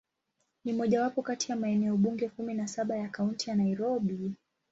Ni mojawapo kati ya maeneo bunge kumi na saba ya Kaunti ya Nairobi.